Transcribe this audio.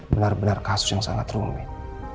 benar benar kasus yang sangat rumit